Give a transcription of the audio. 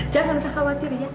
jangan usah khawatir ya